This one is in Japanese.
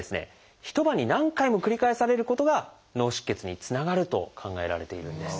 一晩に何回も繰り返されることが脳出血につながると考えられているんです。